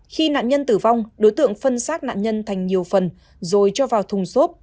khi nạn nhân tử vong đối tượng phân xác nạn nhân thành nhiều phần rồi cho vào thùng xốp